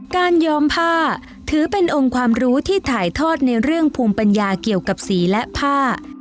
ยอมผ้าถือเป็นองค์ความรู้ที่ถ่ายทอดในเรื่องภูมิปัญญาเกี่ยวกับสีและผ้า